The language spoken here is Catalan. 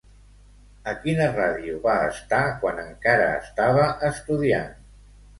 A quina ràdio va estar quan encara estava estudiant?